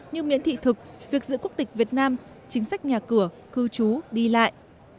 như miễn thị thực việc giữ quốc tịch việt nam chính sách nhà cửa cư trú đi lại